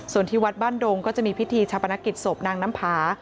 ส่วนที่วัดบ้านดงก็จะมีพิธีชาปนกิจศพนางน้ำผา